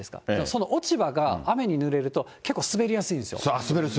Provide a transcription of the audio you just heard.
その落ち葉が雨にぬれると結構滑りやすいんですよ。